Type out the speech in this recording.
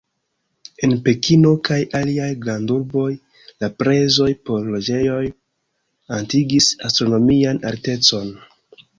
En Pekino kaj aliaj grandurboj la prezoj por loĝejoj atingis astronomian altecon.